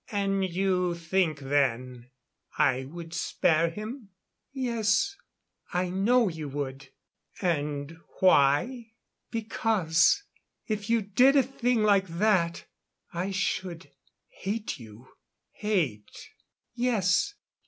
"And you think then I would spare him?" "Yes. I know you would." "And why?" "Because if you did a thing like that I should hate you." "Hate " "Yes.